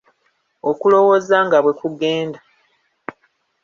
Okulowooza nga bwe kugenda.